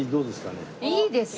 いいですね。